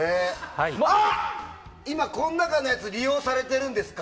今、この中のやつ利用されてるんですか？